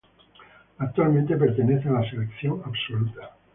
Actualmente pertenece la Selección Absoluta.